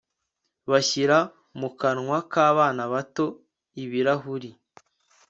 bashyira mu kanwa kabana bato ibirahuri